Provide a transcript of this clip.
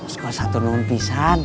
sekolah satu numpisan